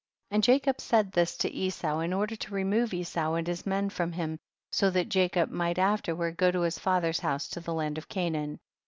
72. And Jacob said this to Esau 96 THE BOOK OF JASHER. in order to remove Esau and his men from him, so that Jacob might after ward go to his father's house to the land of Canaan.